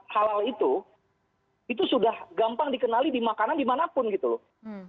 halal itu itu sudah gampang dikenali di makanan dimanapun gitu loh